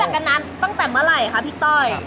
กันนานตั้งแต่เมื่อไหร่คะพี่ต้อย